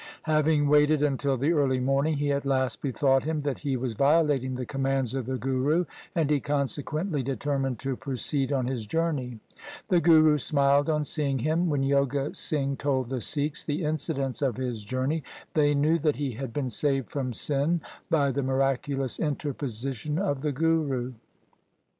Having waited until the early morning, he at last bethought him that he was violating the commands of the Guru, and he consequently deter mined to proceed on his journey. The Guru smiled on seeing him. When Joga Singh told the Sikhs the incidents of his journey, they knew that he had been saved from sin by the miraculous interposition of the Guru.